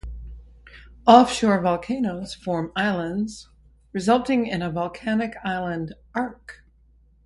Offshore volcanoes form islands, resulting in a volcanic island arc.